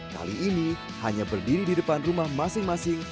kali ini hanya berdiri di depan rumah masing masing